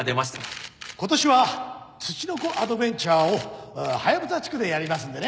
今年はツチノコアドベンチャーをハヤブサ地区でやりますのでね